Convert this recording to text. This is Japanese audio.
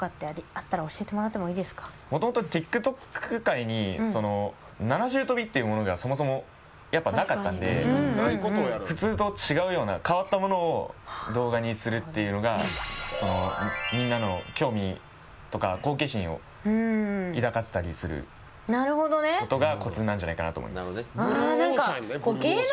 もともとＴｉｋＴｏｋ界に普通と違うような変わったものを動画にするっていうのがみんなの興味とか好奇心を抱かせたりすることがコツなんじゃないかなと思います。